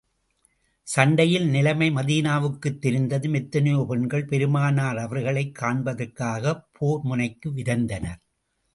சண்டையின் நிலைமை மதீனாவுக்குத் தெரிந்ததும், எத்தனையோ பெண்கள் பெருமானார் அவர்களைக் காண்பதற்காகப் போர் முனைக்கு விரைந்தனர்.